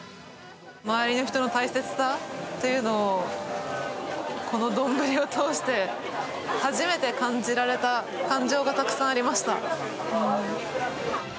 周りの人の大切さというのを、この丼を通して、初めて感じられた感情がたくさんありました。